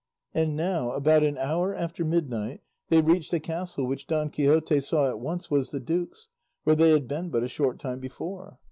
And now, about an hour after midnight, they reached a castle which Don Quixote saw at once was the duke's, where they had been but a short time before.